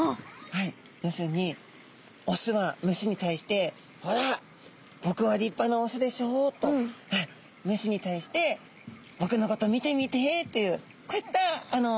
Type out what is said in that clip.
はい要するにオスはメスに対して「ほら僕は立派なオスでしょう」とメスに対して「僕のこと見てみて」というこういったあの。